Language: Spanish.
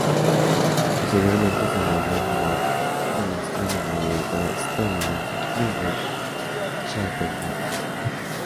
Posteriormente se nombró en honor de la astrónoma y editora estadounidense Mildred Shapley Matthews.